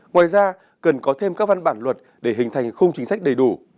ngoài ra cần có thêm các văn bản luật để hình thành khung chính sách đầy đủ